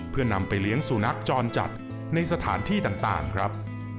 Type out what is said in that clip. เพื่อนำไปเลี้ยงสุนัขจรจัดในสถานที่ต่างครับ